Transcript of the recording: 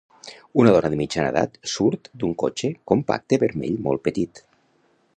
Una dona de mitjana edat surt d'un cotxe compacte vermell molt petit.